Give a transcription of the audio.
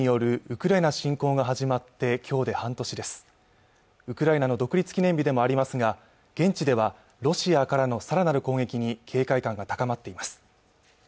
ウクライナの独立記念日でもありますが現地ではロシアからのさらなる攻撃に警戒感が高まっています